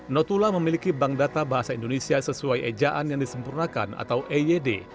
notula memiliki bank data bahasa indonesia sesuai ejaan yang disempurnakan atau eyed